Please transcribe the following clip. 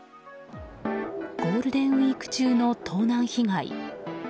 ゴールデンウィーク中の盗難被害。